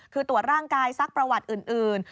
คือตรวจร่างกายซักประวัติอื่น